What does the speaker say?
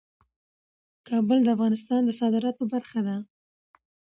کابل د افغانستان د صادراتو برخه ده.